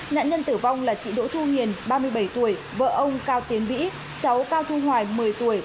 nạn nhân tử vong là chị đỗ thu nghiền ba mươi bảy tuổi vợ ông cao tiến vĩ cháu cao thu hoài một mươi tuổi